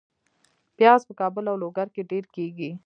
پیاز په کابل او لوګر کې ډیر کیږي